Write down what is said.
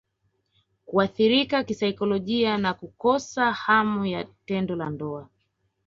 Kuathirika kisaikolojia na Kukosa hamu ya tendo la ndoa